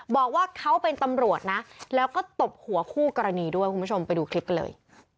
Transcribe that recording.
บอกว่าเขาเป็นตำรวจนะแล้วก็ตบหัวคู่กรณีด้วยคุณผู้ชมไปดูคลิปกันเลย